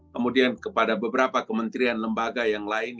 kemudian kepada beberapa kementerian lembaga yang lain